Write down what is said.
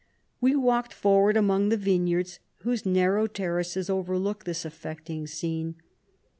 We walked for ward among the vineyards, whose nar row terraces overlook this affecting scene.